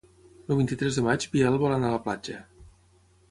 El vint-i-tres de maig en Biel vol anar a la platja.